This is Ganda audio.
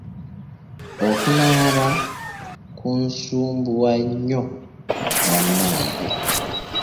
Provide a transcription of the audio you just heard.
Okunaaba kunsumbuwa nnyo bannange.